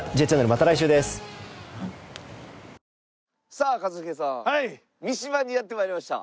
さあ一茂さん三島にやってまいりました。